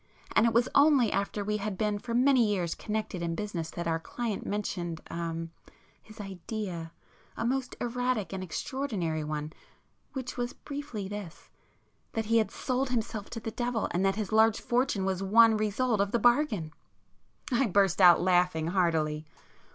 And it was only after we had been for many years connected in business that our client mentioned—er—his idea;—a most erratic and extraordinary one, which was briefly this,—that he had sold himself to the devil, and that his large fortune was one result of the bargain!" I burst out laughing heartily.